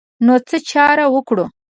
نو څه چاره وکړو.